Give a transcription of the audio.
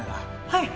はい！